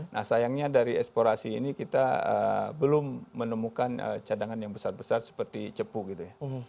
nah sayangnya dari eksplorasi ini kita belum menemukan cadangan yang besar besar seperti cepu gitu ya